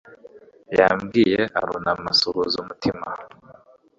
Yambwiye arunama asuhuza umutima